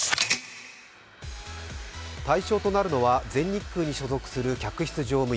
対象となるのは全日空に所属する客室乗務員